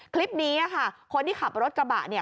คลิปนี้ค่ะคนที่ขับรถกระบะเนี่ย